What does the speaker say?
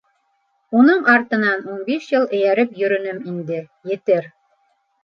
— Уның артынан ун биш йыл эйәреп йөрөнөм инде, етер.